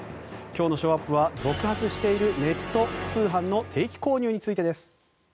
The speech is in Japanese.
今日のショーアップは続発しているネット通販の定期購入についてです。